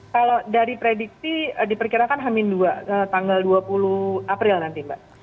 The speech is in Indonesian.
kalau dari prediksi diperkirakan hamin dua tanggal dua puluh april nanti mbak